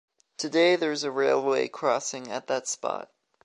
Today there is a railway crossing at that spot.